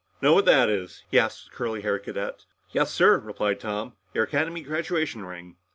"Know what that is?" he asked the curly haired cadet. "Yes, sir," replied Tom. "Your Academy graduation ring."